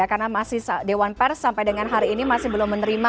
karena dewan pers sampai dengan hari ini masih belum menerima